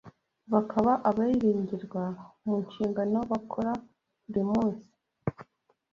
bakaba abiringirwa mu nshingano bakora buri munsi